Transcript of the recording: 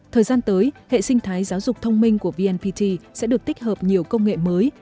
thời gian tới hệ sinh thái giáo dục thông minh của vnpt sẽ được tích hợp nhiều công nghệ mới